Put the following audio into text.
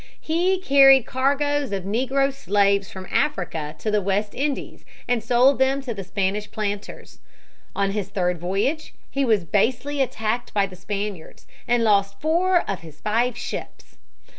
He carried cargoes of negro slaves from Africa to the West Indies and sold them to the Spanish planters. On his third voyage he was basely attacked by the Spaniards and lost four of his five ships.